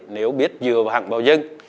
nếu biết dựa vào hạng bảo dân